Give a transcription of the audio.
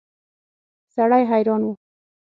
سړی حیران و.